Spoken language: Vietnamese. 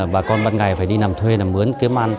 bà con ban ngày phải đi nằm thuê nằm mướn kiếm ăn